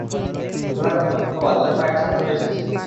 খোদাকে ধন্যবাদ, ওদের পায়ের ছাপ ধরে এসেছি।